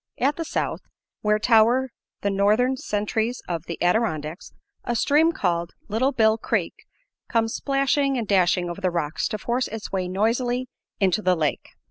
At the South, where tower the northern sentries of the Adirondacks, a stream called Little Bill Creek comes splashing and dashing over the rocks to force its way noisily into the lake.